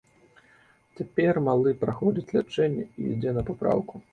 Цяпер малы праходзіць лячэнне і ідзе на папраўку.